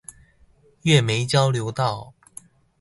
月眉交流道